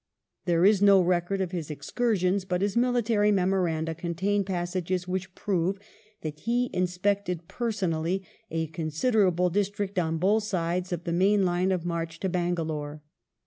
There is no record of his excursions, but his military memoranda contain passages which prove that he inspected personally a considerable district on both sides of the main line of march to Bangalore.